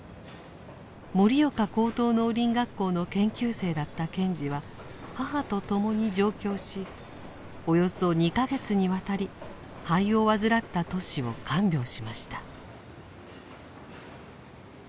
盛岡高等農林学校の研究生だった賢治は母と共に上京しおよそ２か月にわたり肺を患ったトシを看病しました。